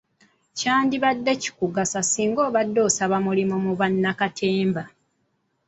Kyandibadde kikugasa singa obadde osaba mulimu mu bannakatemba!